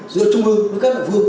giữa trung ương với các địa phương